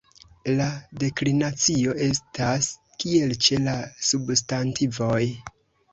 La deklinacio estas kiel ĉe la substantivoj.